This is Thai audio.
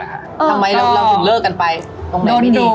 ทำไมเราถึงเลิกกันไปตรงไหนไม่ดี